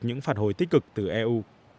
những phạt hồi tích cực từ eu